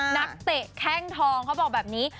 นักเตะแข้งทองเขาบอกแบบนี้